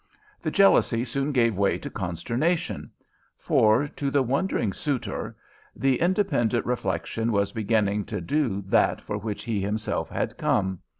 The jealousy soon gave way to consternation, for, to the wondering suitor, the independent reflection was beginning to do that for which he himself had come.